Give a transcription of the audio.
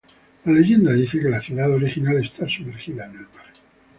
La leyenda dice que la ciudad original está sumergida en el mar.